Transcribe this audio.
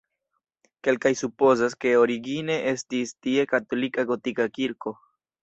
Kelkaj supozas, ke origine estis tie katolika gotika kirko.